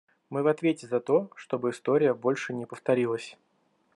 Мы в ответе за то, чтобы история больше не повторилась.